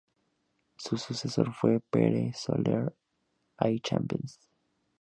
Su sucesor fue Pere Soler i Campins.